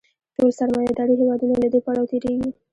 ټول سرمایه داري هېوادونه له دې پړاو تېرېږي